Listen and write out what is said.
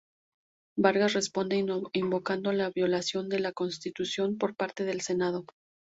Vargas responde invocando la violación de la constitución por parte del Senado.